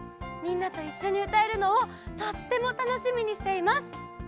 みんなといっしょにうたえるのをとってもたのしみにしています。